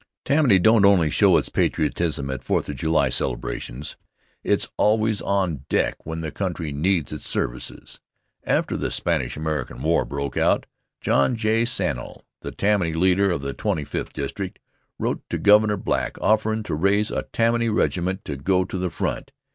Tammany don't only show its patriotism at Fourth of July celebrations. It's always on deck when the country needs its services. After the Spanish American War broke Out, John J. Scannell, the Tammany leader of the Twenty fifth District, wrote to Governor Black offerin' to raise a Tammany regiment to go to the front.